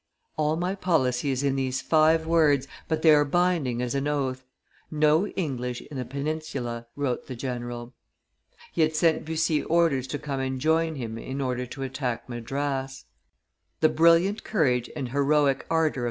"All my policy is in these five words, but they are binding as an oath No English in the peninsula," wrote the general. He had sent Bussy orders to come and join him in order to attack Madras. The brilliant courage and heroic ardor of M.